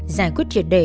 giải quyết triệt đề